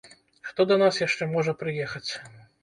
Хто да нас яшчэ можа прыехаць?